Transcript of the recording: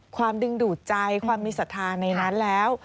ความดึงดูดใจความมีศรัทธาในนั้นแล้ว